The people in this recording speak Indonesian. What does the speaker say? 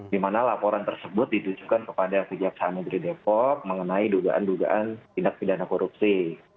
di mana laporan tersebut ditujukan kepada kejaksaan negeri depok mengenai dugaan dugaan tindak pidana korupsi